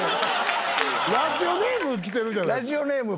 ラジオネームきてるじゃないですか。